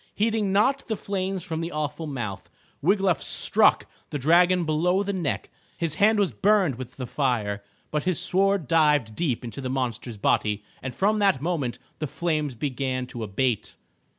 Heeding not the flames from the awful mouth, Wiglaf struck the dragon below the neck. His hand was burned with the fire, but his sword dived deep into the monster's body and from that moment the flames began to abate.